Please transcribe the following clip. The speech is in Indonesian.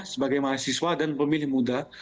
sebagai mahasiswa dan pemilih muda